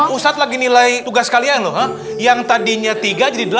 usah lagi nilai tugas kalian loh yang tadinya tiga puluh delapan nih